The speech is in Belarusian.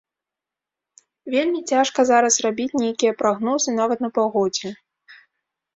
Вельмі цяжка зараз рабіць нейкія прагнозы нават на паўгоддзе.